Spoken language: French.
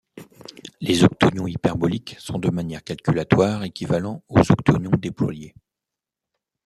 Les octonions hyperboliques sont de manière calculatoire équivalents aux octonions déployés.